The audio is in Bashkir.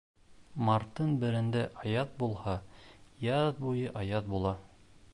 Марттың берендә аяҙ булһа, яҙ буйы аяҙ була.